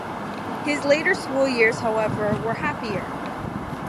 His later school years, however, were happier.